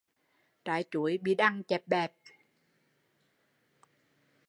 Trái chuối bị đằng chẹp bẹp